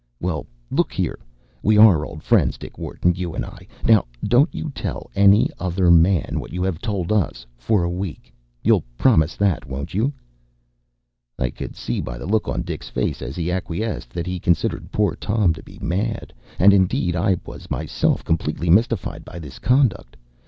“Well, look here; we are old friends, Dick Wharton, you and I. Now don’t you tell any other man what you have told us, for a week. You’ll promise that, won’t you?” I could see by the look on Dick’s face as he acquiesced that he considered poor Tom to be mad; and indeed I was myself completely mystified by his conduct.